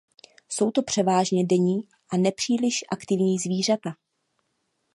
Jsou to převážně denní a nepříliš aktivní zvířata.